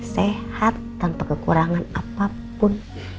sehat tanpa kekurangan apapun